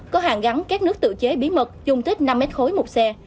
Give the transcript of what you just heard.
có hàng gắn két nước tự chế bí mật dùng tích năm m khối một xe